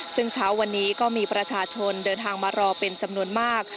ซึ่งเช้าวันนี้ก็มีประชาชนเดินทางมารอเป็นจำนวนมาก